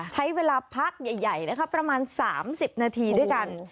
ใช้เวลาพักใหญ่นะคะประมาณ๓๐นาทีด้วยกัน